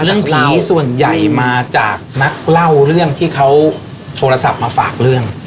เรื่องนี้ส่วนใหญ่มาจากนักเล่าเรื่องที่เขาโทรศัพท์มาฝากเรื่อง